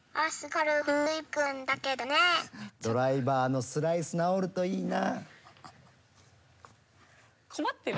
ドライバーのスライス直るといいな。